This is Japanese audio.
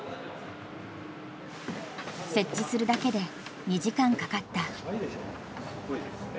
設置するだけで２時間かかった。